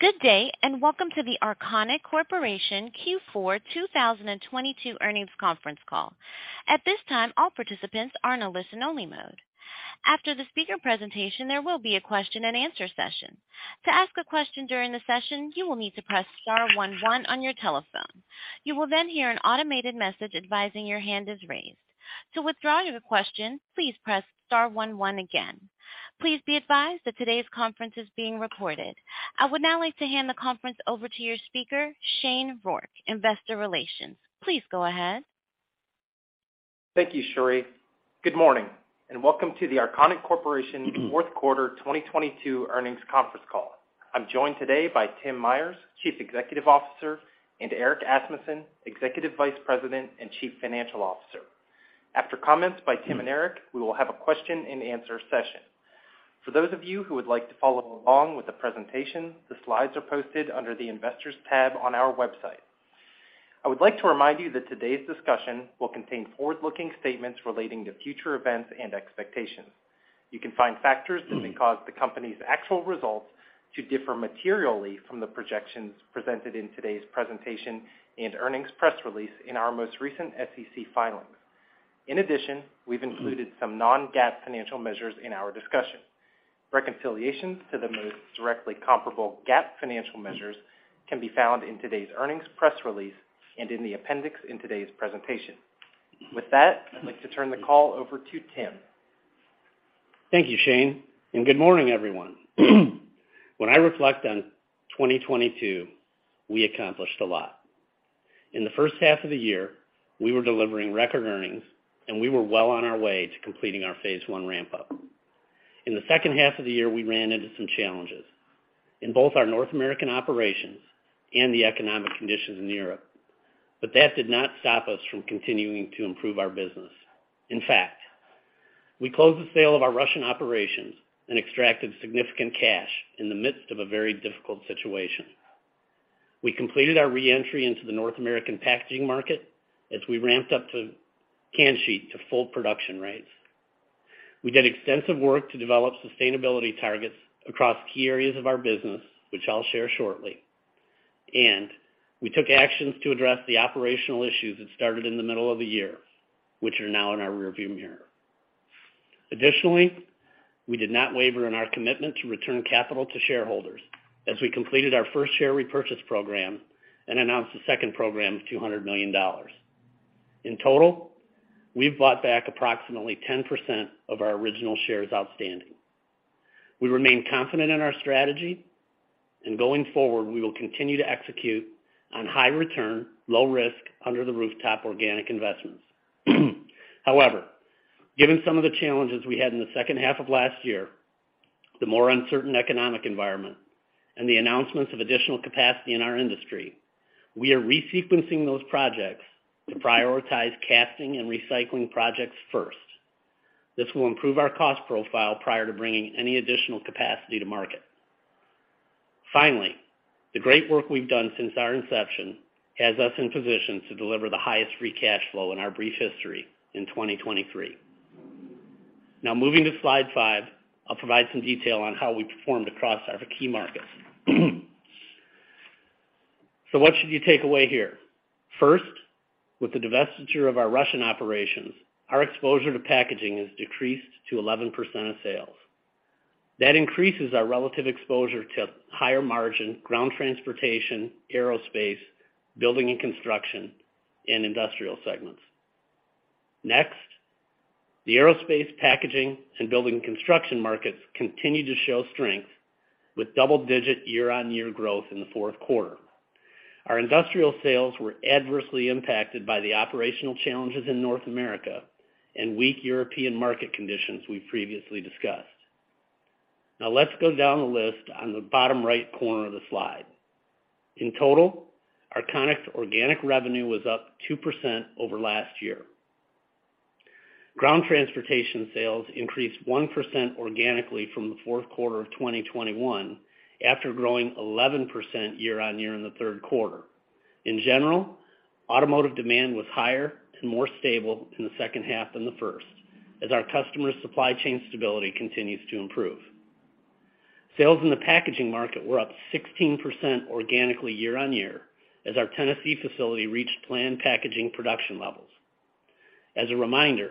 Good day. Welcome to the Arconic Corporation Q4 2022 earnings conference call. At this time, all participants are in a listen only mode. After the speaker presentation, there will be a question and answer session. To ask a question during the session, you will need to press star one one on your telephone. You will hear an automated message advising your hand is raised. To withdraw your question, please press star one one again. Please be advised that today's conference is being recorded. I would now like to hand the conference over to your speaker, Shane Rourke, Investor Relations. Please go ahead. Thank you, Sherry. Good morning. Welcome to the Arconic Corporation Q4 2022 earnings conference call. I'm joined today by Tim Myers, Chief Executive Officer, and Erick Asmussen, Executive Vice President and Chief Financial Officer. After comments by Tim and Erick, we will have a question and answer session. For those of you who would like to follow along with the presentation, the slides are posted under the investors tab on our website. I would like to remind you that today's discussion will contain forward-looking statements relating to future events and expectations. You can find factors that may cause the company's actual results to differ materially from the projections presented in today's presentation and earnings press release in our most recent SEC filings. We've included some non-GAAP financial measures in our discussion. Reconciliations to the most directly comparable GAAP financial measures can be found in today's earnings press release and in the appendix in today's presentation. With that, I'd like to turn the call over to Tim. Thank you, Shane, and good morning, everyone. When I reflect on 2022, we accomplished a lot. In the first half of the year, we were delivering record earnings, and we were well on our way to completing our phase I ramp-up. In the second half of the year, we ran into some challenges in both our North American operations and the economic conditions in Europe, but that did not stop us from continuing to improve our business. In fact, we closed the sale of our Russian operations and extracted significant cash in the midst of a very difficult situation. We completed our re-entry into the North American packaging market as we ramped up the can sheet to full production rates. We did extensive work to develop sustainability targets across key areas of our business, which I'll share shortly. We took actions to address the operational issues that started in the middle of the year, which are now in our rearview mirror. Additionally, we did not waver in our commitment to return capital to shareholders as we completed our first share repurchase program and announced the second program of $200 million. In total, we've bought back approximately 10% of our original shares outstanding. We remain confident in our strategy, and going forward, we will continue to execute on high return, low risk, under the rooftop organic investments. However, given some of the challenges we had in the second half of last year, the more uncertain economic environment, and the announcements of additional capacity in our industry, we are re-sequencing those projects to prioritize casting and recycling projects first. This will improve our cost profile prior to bringing any additional capacity to market. Finally, the great work we've done since our inception has us in position to deliver the highest Free Cash Flow in our brief history in 2023. Moving to slide 5, I'll provide some detail on how we performed across our key markets. What should you take away here? First, with the divestiture of our Russian operations, our exposure to packaging has decreased to 11% of sales. That increases our relative exposure to higher margin ground transportation, aerospace, Building and Construction, and industrial segments. Next, the aerospace packaging and building construction markets continue to show strength with double-digit year-over-year growth in the Q4. Our industrial sales were adversely impacted by the operational challenges in North America and weak European market conditions we previously discussed. Let's go down the list on the bottom right corner of the slide. In total, Arconic's organic revenue was up 2% over last year. Ground transportation sales increased 1% organically from the Q4 of 2021 after growing 11% year-on-year in the Q3. In general, automotive demand was higher and more stable in the second half than the first as our customer supply chain stability continues to improve. Sales in the packaging market were up 16% organically year-on-year as our Tennessee facility reached planned packaging production levels. As a reminder,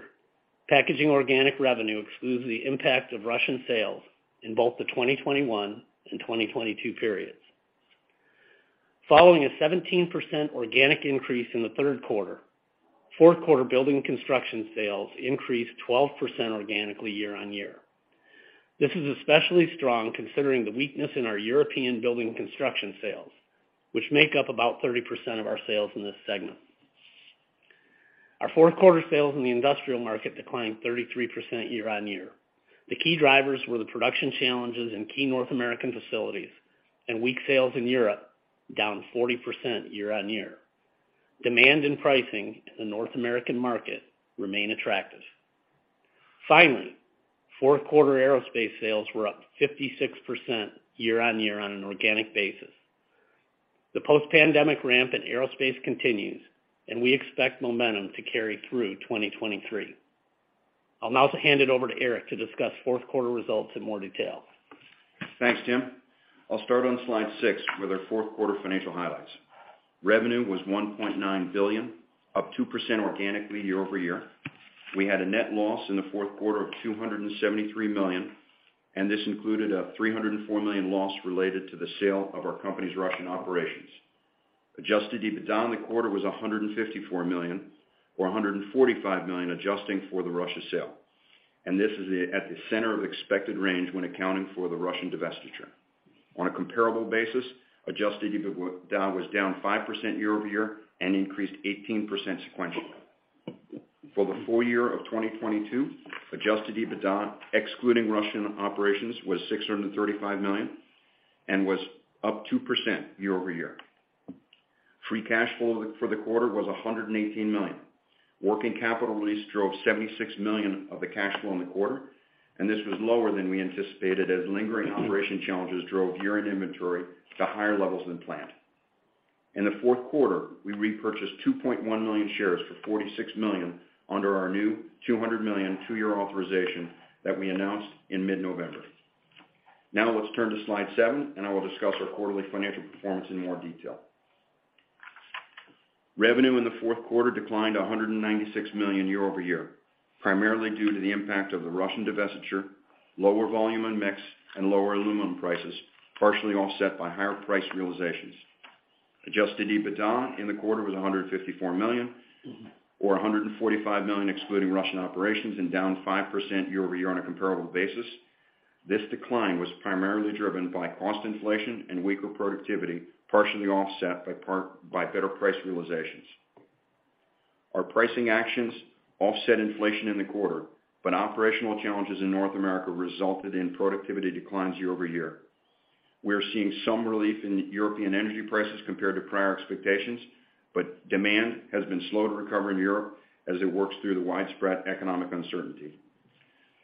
packaging organic revenue excludes the impact of Russian sales in both the 2021 and 2022 periods. Following a 17% organic increase in the Q3, Q4 building construction sales increased 12% organically year-on-year. This is especially strong considering the weakness in our European building construction sales, which make up about 30% of our sales in this segment. Our Q4 sales in the industrial market declined 33% year-on-year. The key drivers were the production challenges in key North American facilities and weak sales in Europe, down 40% year-on-year. Demand and pricing in the North American market remain attractive. Finally, Q4 aerospace sales were up 56% year-on-year on an organic basis. The post-pandemic ramp in aerospace continues, and we expect momentum to carry through 2023. I'll now hand it over to Erick to discuss Q4 results in more detail. Thanks, Tim. I'll start on slide six with our Q4 financial highlights. Revenue was $1.9 billion, up 2% organically year-over-year. We had a net loss in the Q4 of $273 million, and this included a $304 million loss related to the sale of our company's Russian operations. Adjusted EBITDA on the quarter was $154 million, or $145 million, adjusting for the Russia sale, and this is at the center of expected range when accounting for the Russian divestiture. On a comparable basis, Adjusted EBITDA was down 5% year-over-year and increased 18% sequentially. For the full year of 2022, Adjusted EBITDA, excluding Russian operations, was $635 million and was up 2% year-over-year. Free cash flow for the quarter was $118 million. Working capital release drove $76 million of the cash flow in the quarter. This was lower than we anticipated as lingering operation challenges drove year-end inventory to higher levels than planned. In the Q4, we repurchased 2.1 million shares for $46 million under our new $200 million two-year authorization that we announced in mid-November. Let's turn to slide seven. I will discuss our quarterly financial performance in more detail. Revenue in the Q4 declined $196 million year-over-year, primarily due to the impact of the Russian divestiture, lower volume and mix, and lower aluminum prices, partially offset by higher price realizations. Adjusted EBITDA in the quarter was $154 million or $145 million excluding Russian operations, down 5% year-over-year on a comparable basis. This decline was primarily driven by cost inflation and weaker productivity, partially offset by better price realizations. Our pricing actions offset inflation in the quarter, operational challenges in North America resulted in productivity declines year-over-year. We are seeing some relief in European energy prices compared to prior expectations, demand has been slow to recover in Europe as it works through the widespread economic uncertainty.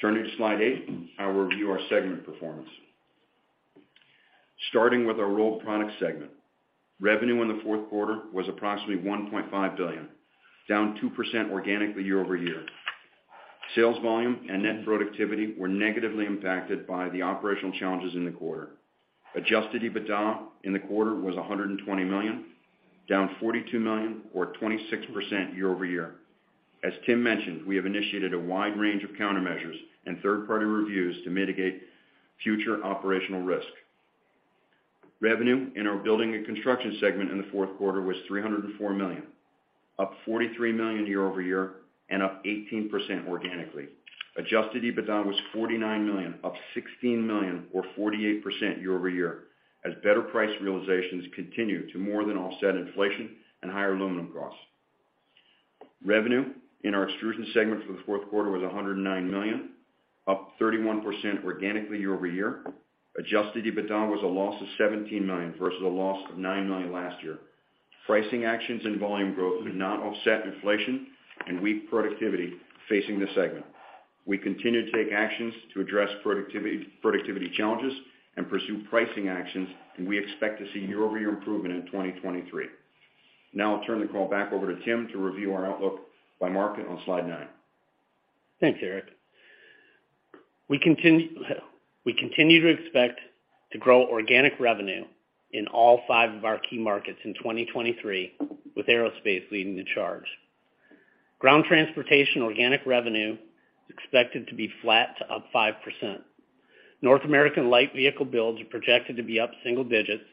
Turning to slide eight, I'll review our segment performance. Starting with our Rolled Products segment, revenue in the Q4 was approximately $1.5 billion, down 2% organically year-over-year. Sales volume and net productivity were negatively impacted by the operational challenges in the quarter. Adjusted EBITDA in the quarter was $120 million, down $42 million or 26% year-over-year. As Tim mentioned, we have initiated a wide range of countermeasures and third-party reviews to mitigate future operational risk. Revenue in our Building and Construction segment in the Q4 was $304 million, up $43 million year-over-year and up 18% organically. Adjusted EBITDA was $49 million, up $16 million or 48% year-over-year, as better price realizations continue to more than offset inflation and higher aluminum costs. Revenue in our Extrusions segment for the Q4 was $109 million, up 31% organically year-over-year. Adjusted EBITDA was a loss of $17 million versus a loss of $9 million last year. Pricing actions and volume growth did not offset inflation and weak productivity facing the segment. We continue to take actions to address productivity challenges and pursue pricing actions. We expect to see year-over-year improvement in 2023. Now I'll turn the call back over to Tim to review our outlook by market on slide nine. Thanks, Erick. We continue to expect to grow organic revenue in all five of our key markets in 2023, with aerospace leading the charge. Ground transportation organic revenue is expected to be flat to up 5%. North American light vehicle builds are projected to be up single digits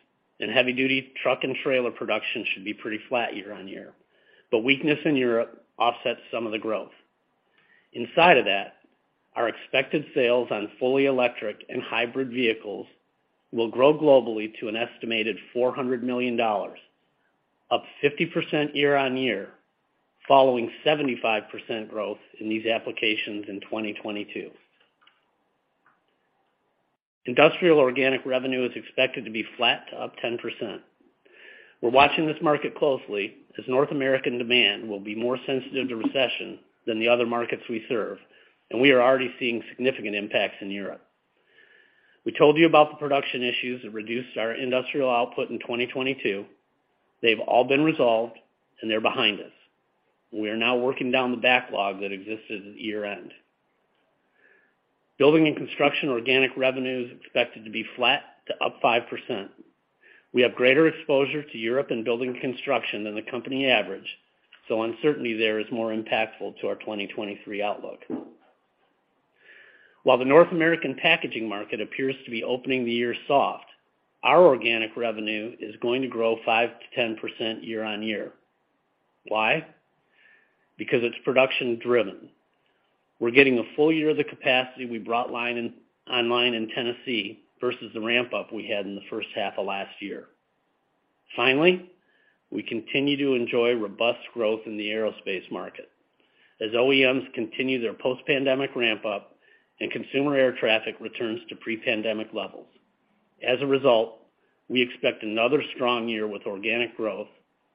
and heavy-duty truck and trailer production should be pretty flat year-on-year. Weakness in Europe offsets some of the growth. Inside of that, our expected sales on fully electric and hybrid vehicles will grow globally to an estimated $400 million, up 50% year-on-year, following 75% growth in these applications in 2022. Industrial organic revenue is expected to be flat to up 10%. We're watching this market closely as North American demand will be more sensitive to recession than the other markets we serve, and we are already seeing significant impacts in Europe. We told you about the production issues that reduced our industrial output in 2022. They've all been resolved and they're behind us. We are now working down the backlog that existed at year-end. Building and Construction organic revenue is expected to be flat to up 5%. We have greater exposure to Europe and Building and Construction than the company average, so uncertainty there is more impactful to our 2023 outlook. While the North American packaging market appears to be opening the year soft, our organic revenue is going to grow 5%-10% year-on-year. Why? Because it's production-driven. We're getting a full year of the capacity we brought online in Tennessee versus the ramp-up we had in the first half of last year. We continue to enjoy robust growth in the aerospace market as OEMs continue their post-pandemic ramp-up and consumer air traffic returns to pre-pandemic levels. We expect another strong year with organic growth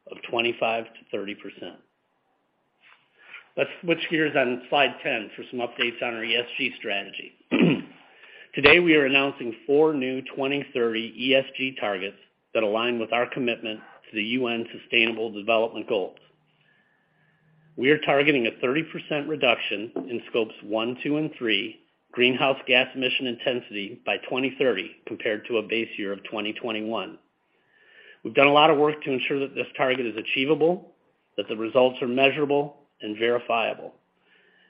of 25%-30%. Let's switch gears on slide 10 for some updates on our ESG strategy. Today, we are announcing four new 2030 ESG targets that align with our commitment to the UN Sustainable Development Goals. We are targeting a 30% reduction in Scopes one, two, and three greenhouse gas emission intensity by 2030 compared to a base year of 2021. We've done a lot of work to ensure that this target is achievable, that the results are measurable and verifiable.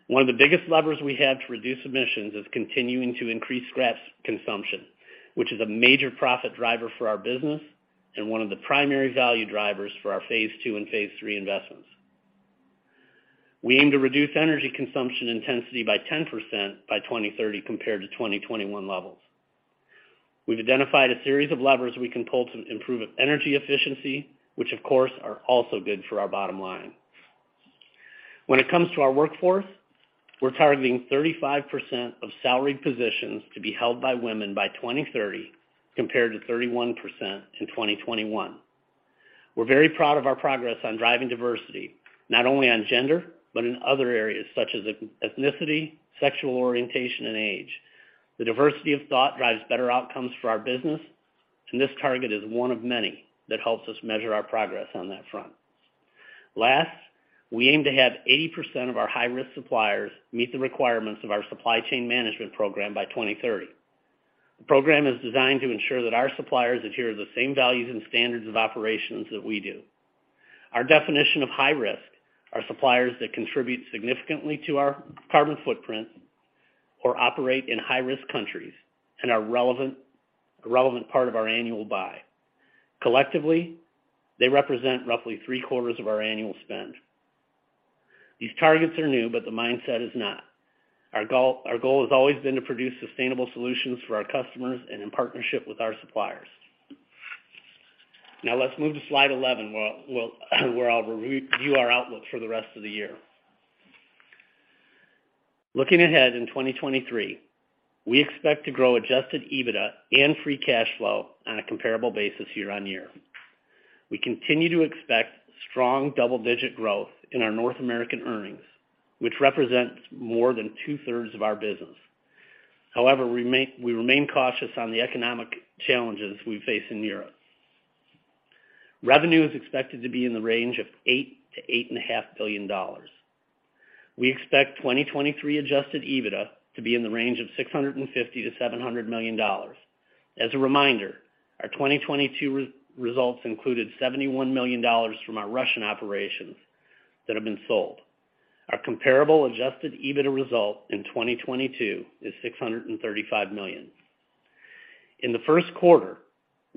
One of the biggest levers we have to reduce emissions is continuing to increase scraps consumption, which is a major profit driver for our business and one of the primary value drivers for our phase II and phase III investments. We aim to reduce energy consumption intensity by 10% by 2030 compared to 2021 levels. We've identified a series of levers we can pull to improve energy efficiency, which of course, are also good for our bottom line. When it comes to our workforce, we're targeting 35% of salaried positions to be held by women by 2030 compared to 31% in 2021. We're very proud of our progress on driving diversity not only on gender, but in other areas such as ethnicity, sexual orientation, and age. The diversity of thought drives better outcomes for our business, and this target is one of many that helps us measure our progress on that front. Last, we aim to have 80% of our high-risk suppliers meet the requirements of our supply chain management program by 2030. The program is designed to ensure that our suppliers adhere to the same values and standards of operations that we do. Our definition of high risk are suppliers that contribute significantly to our carbon footprint or operate in high-risk countries and are relevant, a relevant part of our annual buy. Collectively, they represent roughly three-quarters of our annual spend. These targets are new. The mindset is not. Our goal has always been to produce sustainable solutions for our customers and in partnership with our suppliers. Let's move to slide 11, where I'll review our outlook for the rest of the year. Looking ahead in 2023, we expect to grow Adjusted EBITDA and Free Cash Flow on a comparable basis year-on-year. We continue to expect strong double-digit growth in our North American earnings, which represents more than two-thirds of our business. However, we remain cautious on the economic challenges we face in Europe. Revenue is expected to be in the range of $8 billion to $8.5 billion. We expect 2023 Adjusted EBITDA to be in the range of $650 million-$700 million. As a reminder, our 2022 results included $71 million from our Russian operations that have been sold. Our comparable Adjusted EBITDA result in 2022 is $635 million. In the Q1,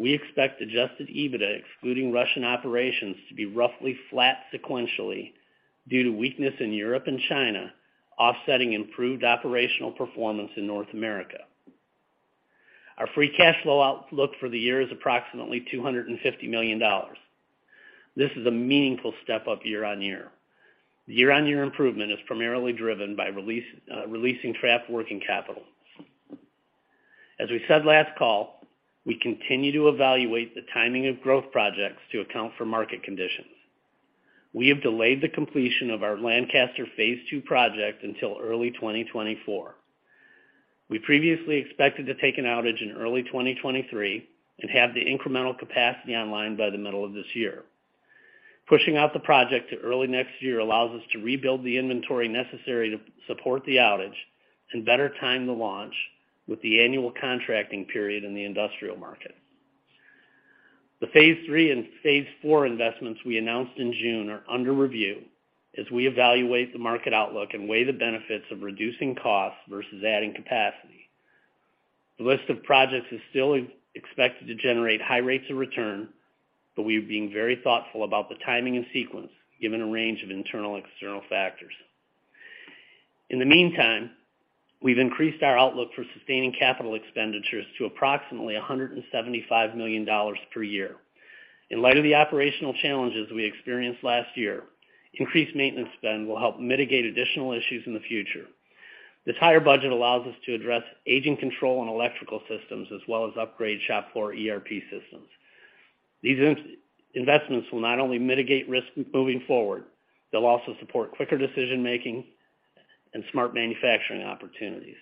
we expect Adjusted EBITDA, excluding Russian operations, to be roughly flat sequentially due to weakness in Europe and China, offsetting improved operational performance in North America. Our Free Cash Flow outlook for the year is approximately $250 million. This is a meaningful step-up year-on-year. The year-on-year improvement is primarily driven by releasing trapped working capital. As we said last call, we continue to evaluate the timing of growth projects to account for market conditions. We have delayed the completion of our Lancaster phase II project until early 2024. We previously expected to take an outage in early 2023 and have the incremental capacity online by mid-2023. Pushing out the project to early next year allows us to rebuild the inventory necessary to support the outage and better time the launch with the annual contracting period in the industrial market. The phase III and phase IV investments we announced in June are under review as we evaluate the market outlook and weigh the benefits of reducing costs versus adding capacity. The list of projects is still expected to generate high rates of return. We are being very thoughtful about the timing and sequence, given a range of internal and external factors. In the meantime, we've increased our outlook for sustaining capital expenditures to approximately $175 million per year. In light of the operational challenges we experienced last year, increased maintenance spend will help mitigate additional issues in the future. This higher budget allows us to address aging control on electrical systems, as well as upgrade shop floor ERP systems. These investments will not only mitigate risk moving forward, they'll also support quicker decision-making and smart manufacturing opportunities.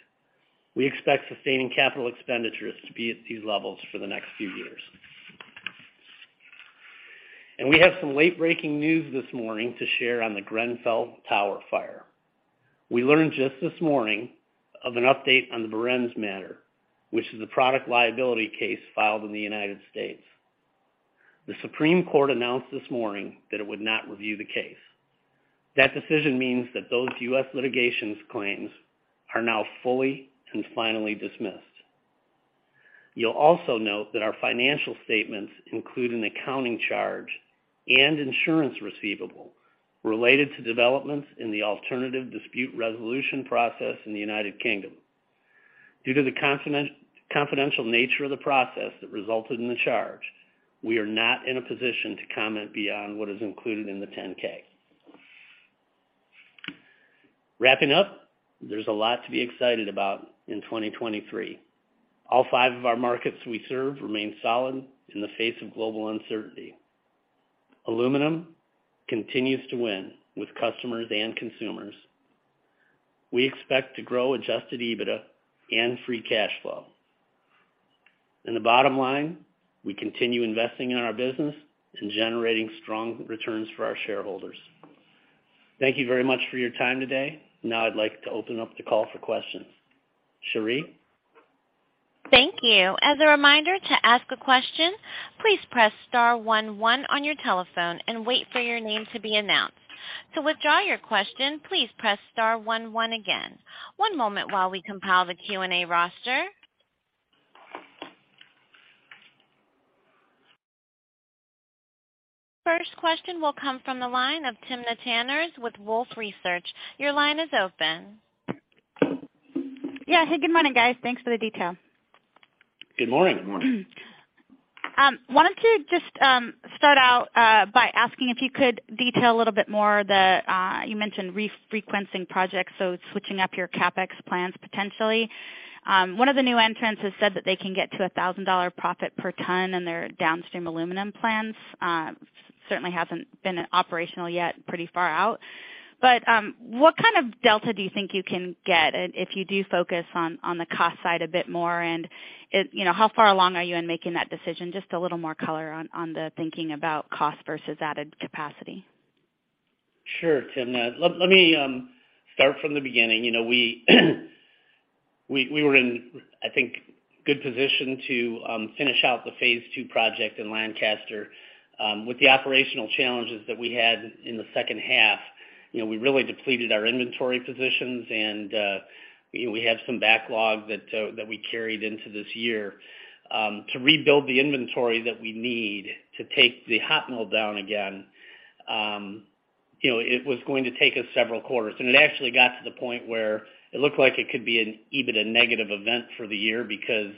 We expect sustaining capital expenditures to be at these levels for the next few years. We have some late-breaking news this morning to share on the Grenfell Tower fire. We learned just this morning of an update on the Behrens matter, which is a product liability case filed in the United States. The Supreme Court announced this morning that it would not review the case. That decision means that those U.S. litigations claims are now fully and finally dismissed. You'll also note that our financial statements include an accounting charge and insurance receivable related to developments in the alternative dispute resolution process in the United Kingdom. Due to the confidential nature of the process that resulted in the charge, we are not in a position to comment beyond what is included in the 10-K. Wrapping up, there's a lot to be excited about in 2023. All five of our markets we serve remain solid in the face of global uncertainty. Aluminum continues to win with customers and consumers. We expect to grow Adjusted EBITDA and Free Cash Flow. The bottom line, we continue investing in our business and generating strong returns for our shareholders. Thank you very much for your time today. Now I'd like to open up the call for questions. Sherry? Thank you. As a reminder to ask a question, please press star one one on your telephone and wait for your name to be announced. To withdraw your question, please press star one one again. One moment while we compile the Q&A roster. First question will come from the line of Timna Tanners with Wolfe Research. Your line is open. Yeah. Hey, good morning, guys. Thanks for the detail. Good morning. Wanted to just start out by asking if you could detail a little bit more the, you mentioned re-sequencing projects, so switching up your CapEx plans potentially. One of the new entrants has said that they can get to a $1,000 profit per ton in their downstream aluminum plants. certainly hasn't been operational yet, pretty far out. What kind of delta do you think you can get if you do focus on the cost side a bit more? You know, how far along are you in making that decision? Just a little more color on the thinking about cost versus added capacity. Sure, Timna. Let me start from the beginning. You know, we were in, I think, good position to finish out the phase II project in Lancaster. With the operational challenges that we had in the second half, you know, we really depleted our inventory positions, and, you know, we had some backlog that we carried into this year. To rebuild the inventory that we need to take the hot mill down again, you know, it was going to take us several quarters. It actually got to the point where it looked like it could be an even a negative event for the year because,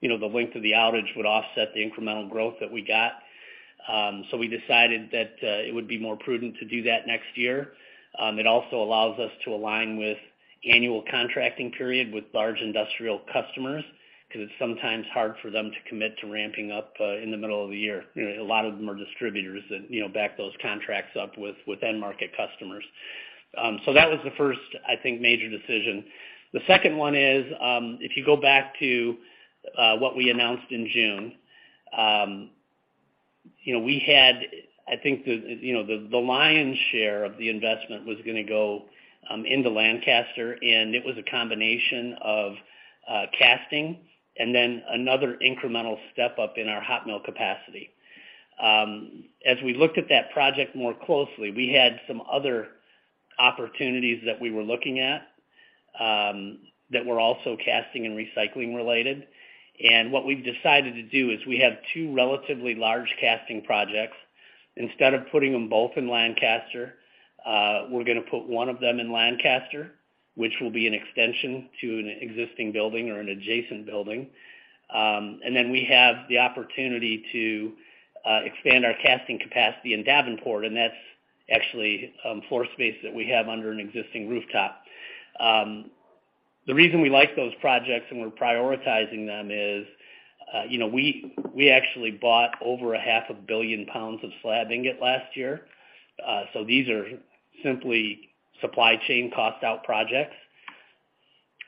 you know, the length of the outage would offset the incremental growth that we got. We decided that it would be more prudent to do that next year. It also allows us to align with annual contracting period with large industrial customers because it's sometimes hard for them to commit to ramping up in the middle of the year. You know, a lot of them are distributors that, you know, back those contracts up with end market customers. That was the first, I think, major decision. The second one is, if you go back to what we announced in June, you know, we had, you know, the lion's share of the investment was gonna go into Lancaster, and it was a combination of casting and then another incremental step-up in our hot mill capacity. As we looked at that project more closely, we had some other opportunities that we were looking at, that were also casting and recycling related. What we've decided to do is we have two relatively large casting projects. Instead of putting them both in Lancaster, we're gonna put one of them in Lancaster, which will be an extension to an existing building or an adjacent building. Then we have the opportunity to expand our casting capacity in Davenport, and that's actually floor space that we have under an existing rooftop. The reason we like those projects and we're prioritizing them is, you know, we actually bought over a 500 million lbs of slab ingot last year. These are simply supply chain cost out projects.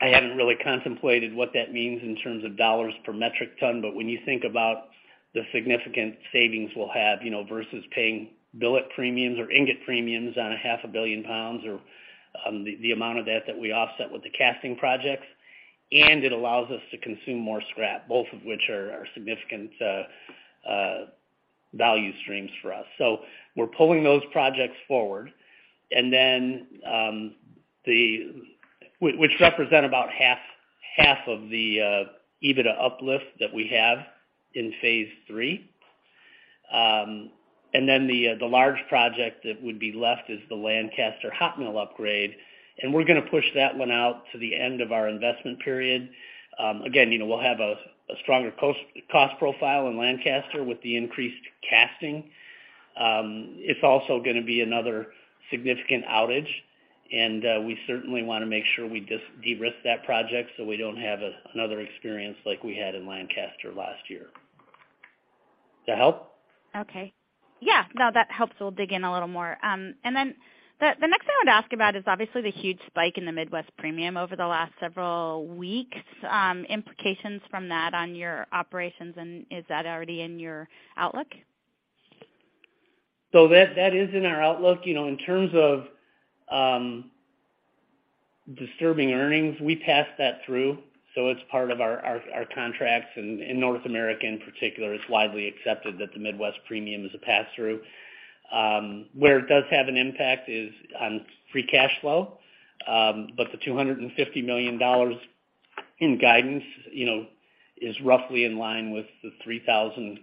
I haven't really contemplated what that means in terms of dollars per metric ton. When you think about the significant savings we'll have, you know, versus paying billet premiums or ingot premiums on a 500 million lbs or the amount of debt that we offset with the casting projects, and it allows us to consume more scrap, both of which are significant value streams for us. We're pulling those projects forward. Then which represent about half of the EBITDA uplift that we have in phase III. Then the large project that would be left is the Lancaster hot mill upgrade, and we're gonna push that one out to the end of our investment period. Again, you know, we'll have a stronger cost profile in Lancaster with the increased casting. It's also gonna be another significant outage. We certainly wanna make sure we derisk that project so we don't have another experience like we had in Lancaster last year. That help? Okay. Yeah. No, that helps. We'll dig in a little more. The next thing I would ask about is obviously the huge spike in the Midwest Premium over the last several weeks. Implications from that on your operations, and is that already in your outlook? That is in our outlook. You know, in terms of disturbing earnings, we pass that through, so it's part of our contracts. In North America, in particular, it's widely accepted that the Midwest Premium is a pass-through. Where it does have an impact is on Free Cash Flow. The $250 million in guidance, you know, is roughly in line with the $3,000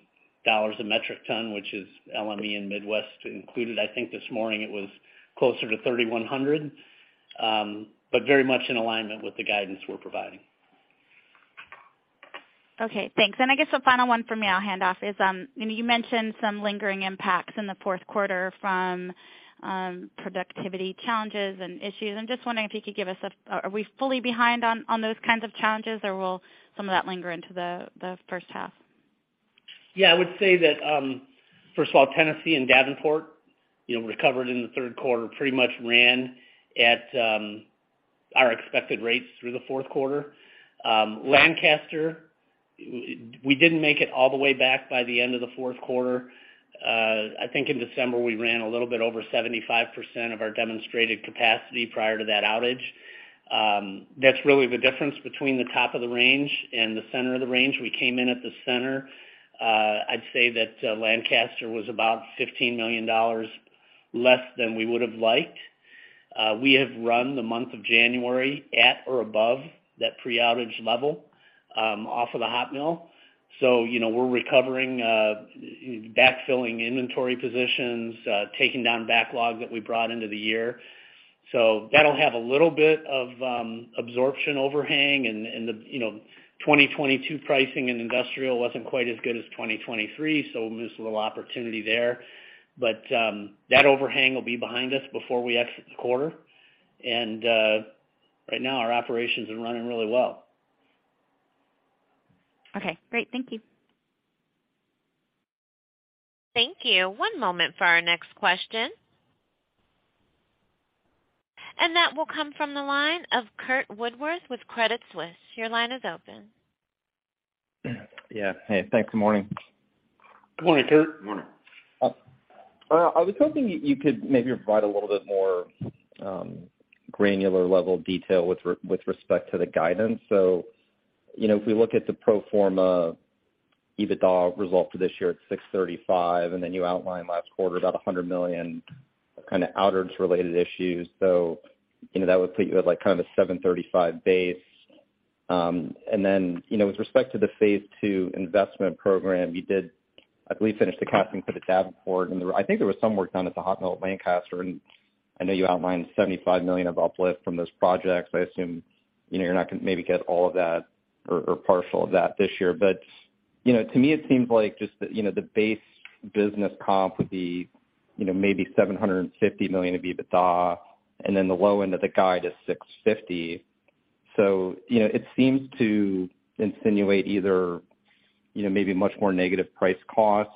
a metric ton, which is LME and Midwest included. I think this morning it was closer to $3,100, but very much in alignment with the guidance we're providing. Okay, thanks. I guess the final one for me, I'll hand off, is, you mentioned some lingering impacts in the Q4 from productivity challenges and issues. Are we fully behind on those kinds of challenges, or will some of that linger into the first half? I would say that, first of all, Tennessee and Davenport, you know, recovered in the Q3, pretty much ran at our expected rates through the Q4. Lancaster, we didn't make it all the way back by the end of the Q4. I think in December, we ran a little bit over 75% of our demonstrated capacity prior to that outage. That's really the difference between the top of the range and the center of the range. We came in at the center. I'd say that Lancaster was about $15 million less than we would have liked. We have run the month of January at or above that pre-outage level off of the hot mill. You know, we're recovering, backfilling inventory positions, taking down backlog that we brought into the year. That'll have a little bit of absorption overhang. You know, 2022 pricing in industrial wasn't quite as good as 2023, so we'll lose a little opportunity there. That overhang will be behind us before we exit the quarter. Right now, our operations are running really well. Okay, great. Thank you. Thank you. One moment for our next question. That will come from the line of Curt Woodworth with Credit Suisse. Your line is open. Yeah. Hey, thanks. Good morning. Good morning, Curt. Good morning. Well, I was hoping you could maybe provide a little bit more granular level detail with respect to the guidance. You know, if we look at the pro forma EBITDA result for this year at $635 million, and then you outlined last quarter about $100 million kinda outage-related issues. You know, that would put you at, like, kind of a $735 million base. You know, with respect to the phase IIinvestment program, you did, I believe, finish the casting for the Davenport. I think there was some work done at the hot mill at Lancaster. I know you outlined $75 million of uplift from those projects. I assume, you know, you're not gonna maybe get all of that or partial of that this year. You know, to me, it seems like just the, you know, the base business comp would be, you know, maybe $750 million of EBITDA, and then the low end of the guide is $650 million. You know, it seems to insinuate either, you know, maybe much more negative price cost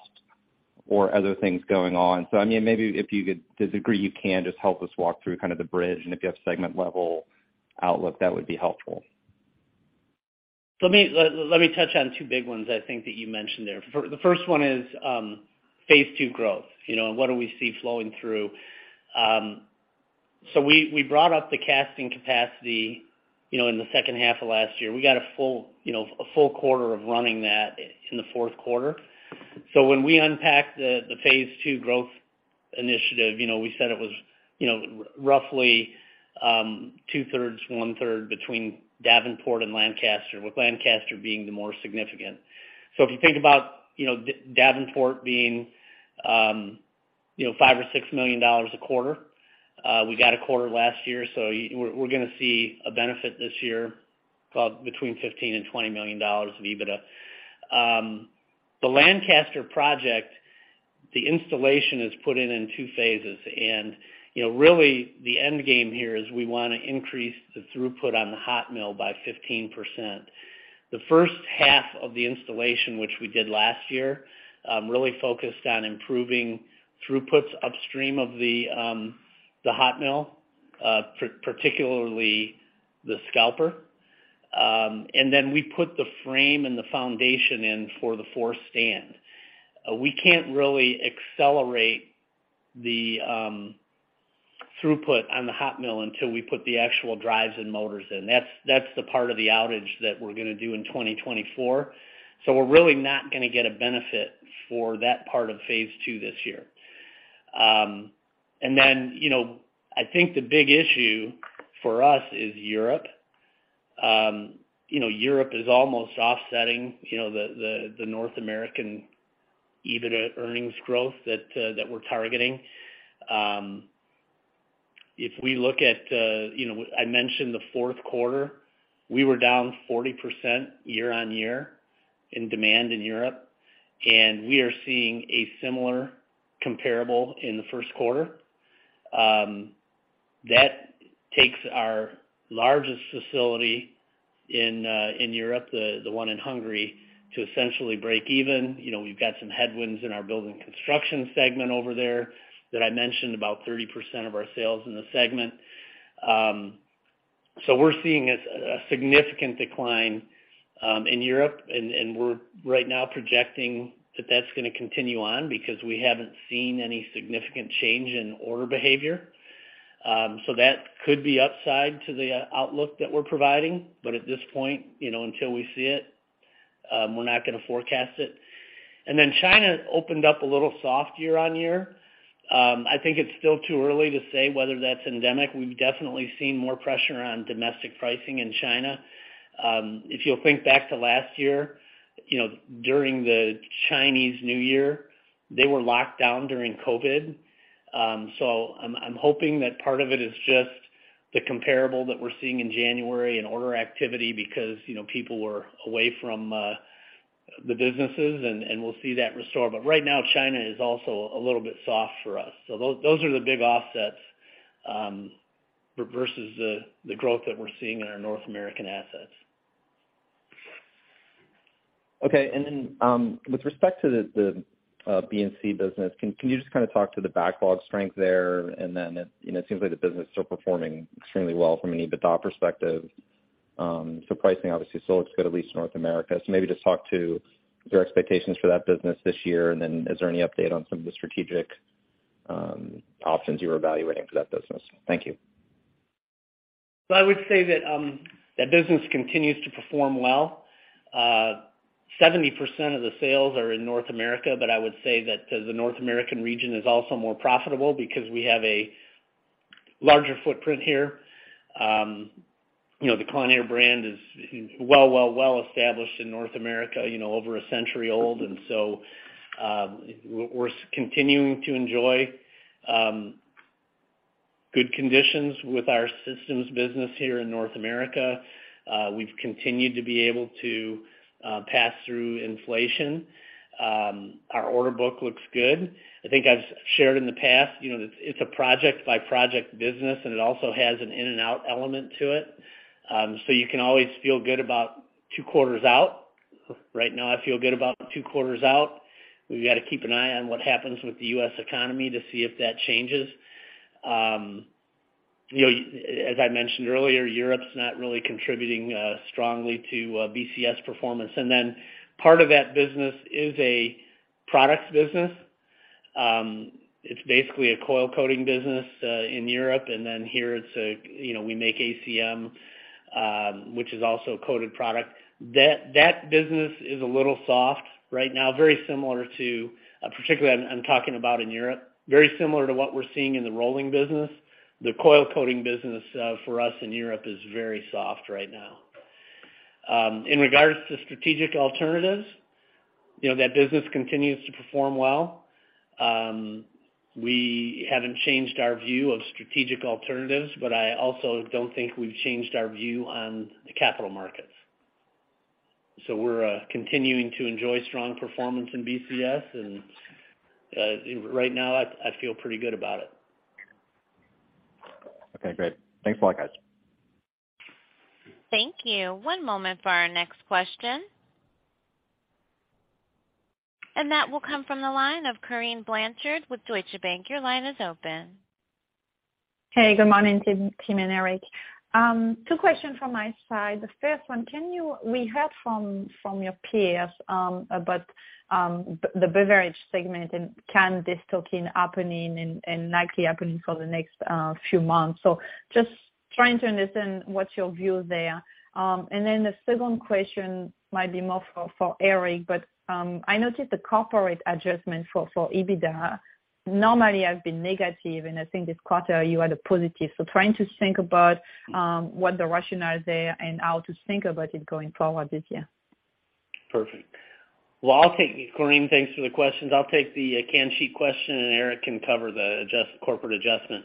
or other things going on. I mean, maybe if you could, to the degree you can, just help us walk through kind of the bridge, and if you have segment level outlook, that would be helpful. Let me touch on two big ones I think that you mentioned there. The first one is, phase II growth, you know, and what do we see flowing through. We brought up the casting capacity, you know, in the second half of last year. We got a full, you know, a full quarter of running that in the Q4. When we unpacked the phase II growth initiative, you know, we said it was, you know, roughly two-thirds, one-third between Davenport and Lancaster, with Lancaster being the more significant. If you think about, you know, Davenport being, you know, $5 million or $6 million a quarter, we got a quarter last year, so we're gonna see a benefit this year of between $15 million and $20 million of EBITDA. The Lancaster project, the installation is put in in two phases. You know, really, the end game here is we wanna increase the throughput on the hot mill by 15%. The first half of the installation, which we did last year, really focused on improving throughputs upstream of the hot mill, particularly the scalper. We put the frame and the foundation in for the fourth stand. We can't really accelerate the throughput on the hot mill until we put the actual drives and motors in. That's the part of the outage that we're gonna do in 2024. We're really not gonna get a benefit for that part of phase II this year. You know, I think the big issue for us is Europe. You know, Europe is almost offsetting, you know, the North American EBITDA earnings growth that we're targeting. If we look at, you know, I mentioned the Q4, we were down 40% year-on-year in demand in Europe, and we are seeing a similar comparable in the Q1. That takes our largest facility in Europe, the one in Hungary, to essentially break even. You know, we've got some headwinds in our Building Construction segment over there that I mentioned about 30% of our sales in the segment. We're seeing a significant decline in Europe, and we're right now projecting that that's gonna continue on because we haven't seen any significant change in order behavior. That could be upside to the outlook that we're providing. At this point, you know, until we see it, we're not gonna forecast it. China opened up a little soft year-on-year. I think it's still too early to say whether that's endemic. We've definitely seen more pressure on domestic pricing in China. If you'll think back to last year, you know, during the Chinese New Year, they were locked down during COVID. I'm hoping that part of it is just the comparable that we're seeing in January and order activity because, you know, people were away from the businesses and we'll see that restore. Right now, China is also a little bit soft for us. Those are the big offsets versus the growth that we're seeing in our North American assets. Okay. With respect to the BCS business, can you just kinda talk to the backlog strength there? You know, it seems like the business is still performing extremely well from an EBITDA perspective. Pricing obviously still looks good, at least in North America. Maybe just talk to your expectations for that business this year. Is there any update on some of the strategic options you were evaluating for that business? Thank you. I would say that that business continues to perform well. 70% of the sales are in North America, I would say that the North American region is also more profitable because we have a larger footprint here. You know, the Kawneer brand is well established in North America, you know, over a century old. We're continuing to enjoy good conditions with our systems business here in North America. We've continued to be able to pass through inflation. Our order book looks good. I think I've shared in the past, you know, that it's a project-by-project business, and it also has an in-and-out element to it. You can always feel good about two quarters out. Right now, I feel good about two quarters out. We've got to keep an eye on what happens with the U.S. economy to see if that changes. You know, as I mentioned earlier, Europe is not really contributing strongly to BCS performance. Part of that business is a products business. It's basically a coil coating business in Europe. Here it's a, you know, we make Reynobond, which is also a coated product. That business is a little soft right now, very similar to, particularly I'm talking about in Europe, very similar to what we're seeing in the rolling business. The coil coating business for us in Europe is very soft right now. In regards to strategic alternatives, you know, that business continues to perform well. We haven't changed our view of strategic alternatives. I also don't think we've changed our view on the capital markets. We're continuing to enjoy strong performance in BCS. Right now, I feel pretty good about it. Okay, great. Thanks a lot, guys. Thank you. One moment for our next question. That will come from the line of Corinne Blanchard with Deutsche Bank. Your line is open. Hey, good morning, Tim and Eric. Two questions from my side. The first one, we heard from your peers about the beverage segment, and can this still keep happening and likely happening for the next few months? Just trying to understand what's your view there. The second question might be more for Eric, but I noticed the corporate adjustment for EBITDA normally has been negative, and I think this quarter you had a positive. Trying to think about what the rationale is there and how to think about it going forward this year. Perfect. Well, I'll take Corinne. Thanks for the questions. I'll take the can sheet question, and Erick can cover the corporate adjustment.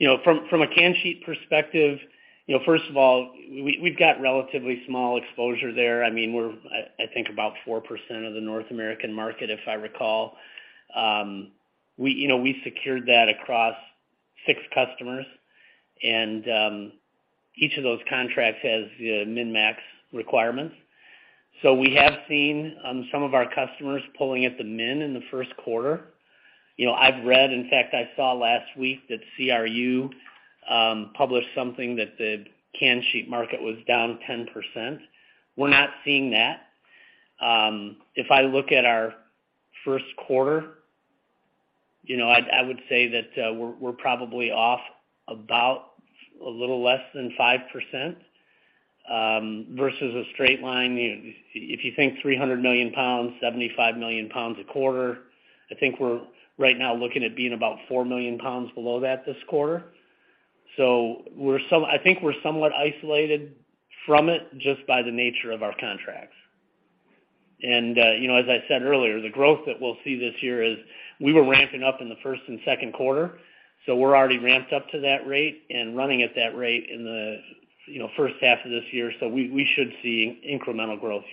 You know, from a can sheet perspective, you know, first of all, we've got relatively small exposure there. I mean, we're, I think about 4% of the North American market, if I recall. We, you know, we secured that across six customers, and each of those contracts has min-max requirements. We have seen some of our customers pulling at the min in the Q1. You know, I've read, in fact, I saw last week that CRU published something that the can sheet market was down 10%. We're not seeing that. If I look at our Q1, you know, I would say that we're probably off about a little less than 5% versus a straight line. If you think 300 million lbs, 75 million lbs a quarter, I think we're right now looking at being about 4 million lbs below that this quarter. I think we're somewhat isolated from it just by the nature of our contracts. You know, as I said earlier, the growth that we'll see this year is we were ramping up in the first and Q2, so we're already ramped up to that rate and running at that rate in the, you know, first half of this year. We should see incremental growth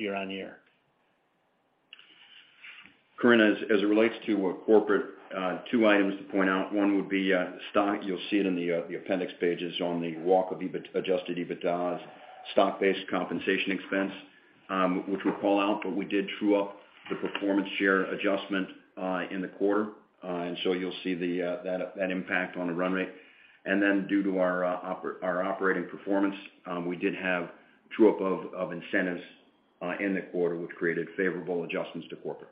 year-on-year. Corinne, as it relates to corporate, two items to point out. One would be stock. You'll see it in the appendix pages on the walk of EBITDA, Adjusted EBITDA's stock-based compensation expense, which we call out, but we did true up the performance share adjustment in the quarter. You'll see that impact on the run rate. Due to our operating performance, we did have true up of incentives in the quarter, which created favorable adjustments to corporate.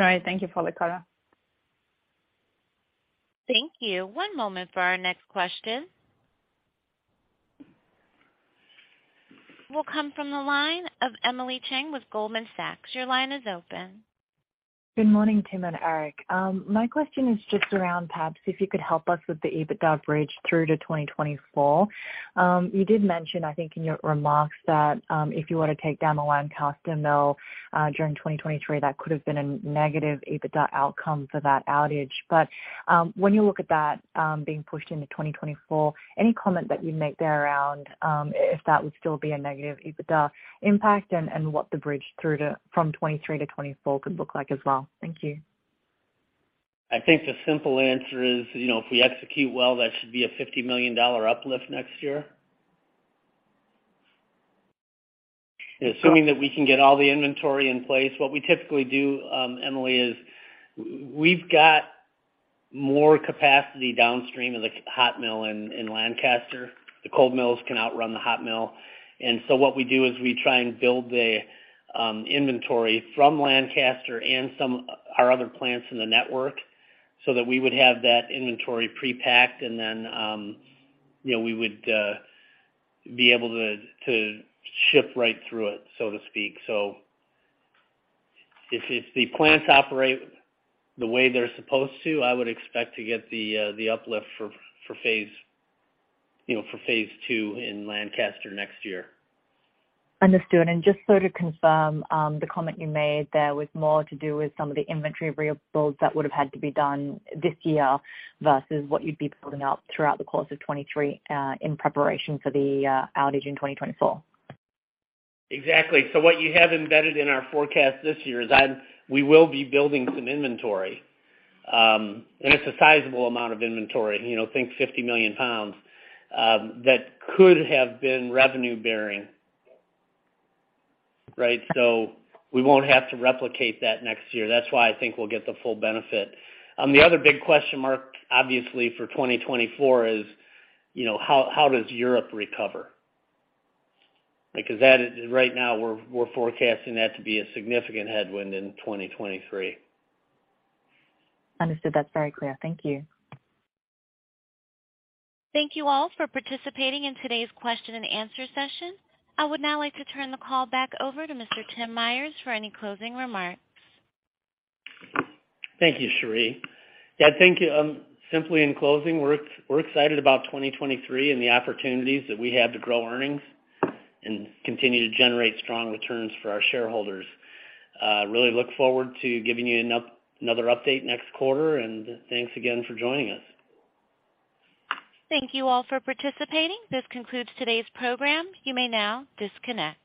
All right. Thank you for the color. Thank you. One moment for our next question. Will come from the line of Emily Chieng with Goldman Sachs. Your line is open. Good morning, Tim and Eric. My question is just around, perhaps, if you could help us with the EBITDA bridge through to 2024. You did mention, I think, in your remarks that, if you were to take down the Lancaster mill, during 2023, that could have been a negative EBITDA outcome for that outage. When you look at that, being pushed into 2024, any comment that you'd make there around, if that would still be a negative EBITDA impact, and what the bridge through from 2023-2024 could look like as well? Thank you. I think the simple answer is, you know, if we execute well, that should be a $50 million uplift next year. Assuming that we can get all the inventory in place. What we typically do, Emily, is we've got more capacity downstream of the hot mill in Lancaster. The cold mills can outrun the hot mill. What we do is we try and build the inventory from Lancaster and some, our other plants in the network so that we would have that inventory pre-packed, and then, you know, we would be able to ship right through it, so to speak. If the plants operate the way they're supposed to, I would expect to get the uplift for phase II in Lancaster next year. Understood. just so to confirm, the comment you made there was more to do with some of the inventory rebuilds that would've had to be done this year versus what you'd be building out throughout the course of 2023, in preparation for the outage in 2024. Exactly. What you have embedded in our forecast this year is that we will be building some inventory. It's a sizable amount of inventory, you know, think 50 million lbs that could have been revenue bearing. Right? We won't have to replicate that next year. That's why I think we'll get the full benefit. The other big question mark, obviously, for 2024 is, you know, how does Europe recover? That is right now we're forecasting that to be a significant headwind in 2023. Understood. That's very clear. Thank you. Thank you all for participating in today's question and answer session. I would now like to turn the call back over to Mr. Tim Myers for any closing remarks. Thank you, Sherry. Yeah, thank you. Simply in closing, we're excited about 2023 and the opportunities that we have to grow earnings and continue to generate strong returns for our shareholders. Really look forward to giving you another update next quarter. Thanks again for joining us. Thank you all for participating. This concludes today's program. You may now disconnect.